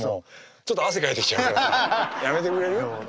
ちょっと汗かいてきちゃうからさやめてくれる？